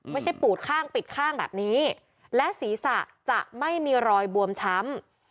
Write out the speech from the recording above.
ปูดข้างปิดข้างแบบนี้และศีรษะจะไม่มีรอยบวมช้ำ